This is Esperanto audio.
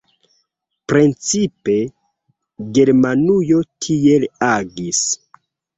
Precipe Germanujo tiel agis.